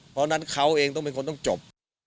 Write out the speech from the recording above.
ดังนั้นเค้าเองต้องจบ